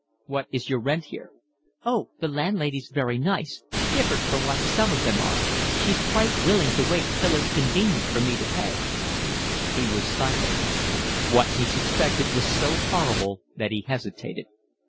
"What is your rent here?" "Oh, the landlady's very nice, different from what some of them are; she's quite willing to wait till it's convenient for me to pay." He was silent. What he suspected was so horrible that he hesitated.